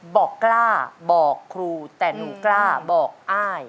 บอกกล้าบอกครูแต่หนูกล้าบอกอ้าย